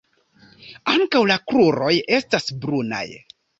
Ankaŭ la kruroj estas brunaj.